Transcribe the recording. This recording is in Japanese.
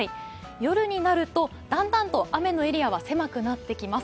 夜になるとだんだんと雨のエリアは狭くなってきます。